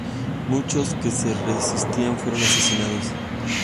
Muchos que se resistían fueron asesinados.